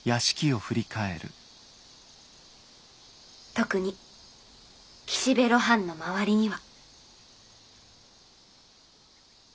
特に岸辺露伴の周りには。